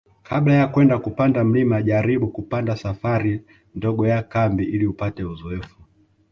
Kabla ya kwenda kupanda mlima jaribu kupanga safari ndogo ya kambi ili upate uzoefu